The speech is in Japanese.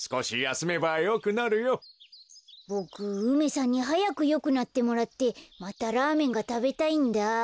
ボク梅さんにはやくよくなってもらってまたラーメンがたべたいんだ。